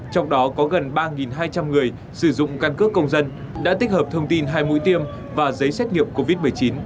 trong đó có gần ba hai trăm linh người sử dụng căn cước công dân đã tích hợp thông tin hai mũi tiêm và giấy xét nghiệm covid một mươi chín